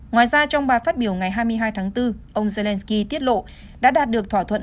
ngoài ra trong bài phát biểu ngày hai mươi hai tháng bốn ông zelensky tiết lộ đã đạt được thỏa thuận